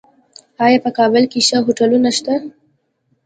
آیا په کابل کې ښه هوټلونه شته؟